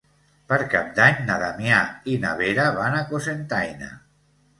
Per Cap d'Any na Damià i na Vera van a Cocentaina.